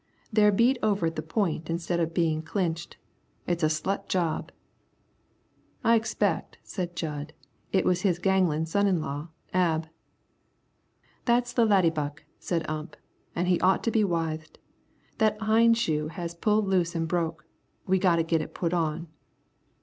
They're beat over at the point instead of being clinched. It's a slut job." "I expect," said Jud, "it was his ganglin' son in law, Ab." "That's the laddiebuck," said Ump, "an' he ought to be withed. That hind shoe has pulled loose an' broke. We've got to git it put on."